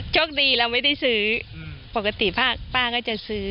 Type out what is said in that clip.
โชคดีเราไม่ได้ซื้อปกติป้าก็จะซื้อ